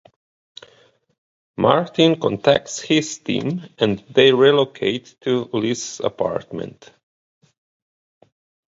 Martin contacts his team and they relocate to Liz's apartment.